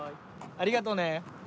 ありがとね。